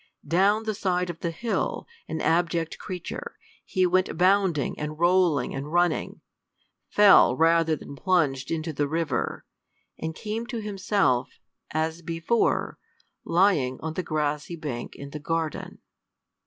Down the side of the hill, an abject creature, he went bounding and rolling and running; fell rather than plunged into the river, and came to himself, as before, lying on the grassy bank in the garden.